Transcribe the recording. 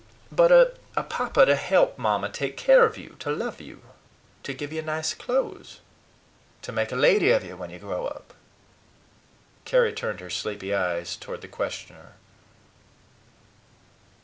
"But a papa to help Mamma take care of you, to love you, to give you nice clothes, to make a lady of you when you grow up?" Carry turned her sleepy eyes toward the questioner.